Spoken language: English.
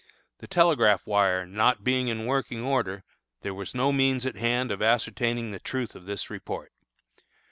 The telegraph wire not being in working order, there was no means at hand of ascertaining the truth of this report.